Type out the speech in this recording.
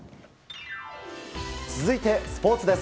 続いてスポーツです。